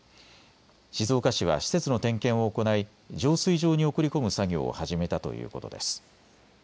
静岡市は施設の点検を行い浄水場に送り込む作業を始めたということです。